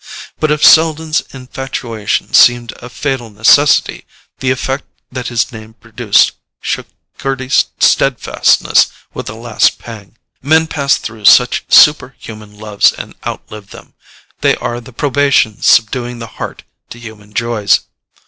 But if Selden's infatuation seemed a fatal necessity, the effect that his name produced shook Gerty's steadfastness with a last pang. Men pass through such superhuman loves and outlive them: they are the probation subduing the heart to human joys.